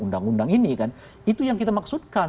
undang undang ini kan itu yang kita maksudkan